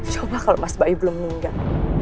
coba kalau mas bayu belum meninggal